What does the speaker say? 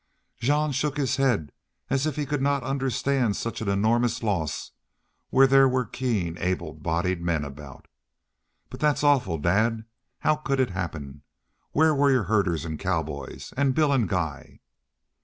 Jean shook his head as if he could not understand such an enormous loss where there were keen able bodied men about. "But that's awful, dad. How could it happen? Where were your herders an' cowboys? An' Bill an' Guy?"